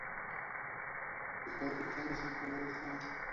Su capital es el pueblo de Santa.